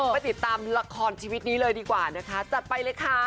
ไปติดตามละครชีวิตนี้เลยดีกว่านะคะจัดไปเลยค่ะ